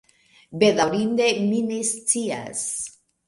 Bedaŭrinde mi ne scias.